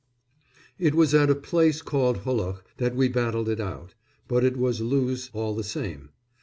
] It was at a place called Hulloch that we battled it out but it was Loos, all the same.